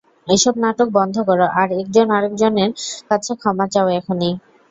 এসব নাটক বন্ধ কর আর একজন আরেকজনের কাছে ক্ষমা চাও, এখনই।